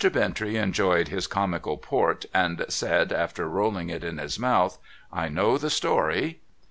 Bintrey enjoyed his comical port, and said, after rolling it in his mouth :' I know the story.'